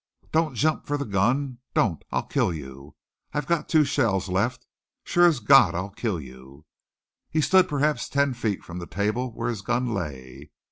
"Don't jump for the gun! Don't! I'll kill you! I've got two shells left! Sure as God, I'll kill you!" He stood perhaps ten feet from the table where his gun lay.